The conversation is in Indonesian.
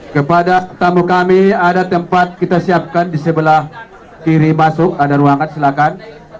kepada tamu kami ada tempat kita siapkan di sebelah kiri masuk ada ruangan silakan